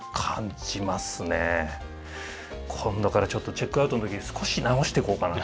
今度からちょっとチェックアウトの時少し直していこうかな。